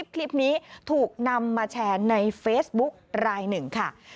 คลิปนี้ถูกนำมาแชร์ในเฟซบุ๊กรายหนึ่งค่ะ